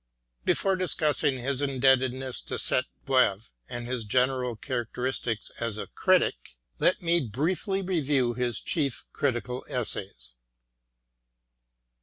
Before discussing his indebtedness to Sainte Beuve and his general characteristics as a critic, 192 MATTHEW ARNOLD let me briefly review his chief critical essays.